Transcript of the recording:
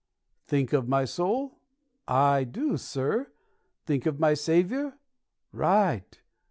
Think of my soul? I do, sir. Think of my Saviour? Right!